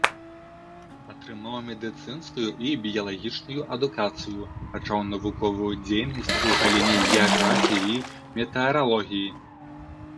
Атрымаў медыцынскую і біялагічную адукацыю, пачаў навуковую дзейнасць у галіне геаграфіі і метэаралогіі.